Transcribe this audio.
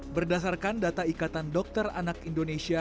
berdasarkan data ikatan dokter anak indonesia